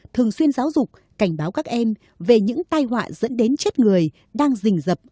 thường xuyên giáo dục cảnh báo các em về những tai họa dẫn đến chết người đang rình dập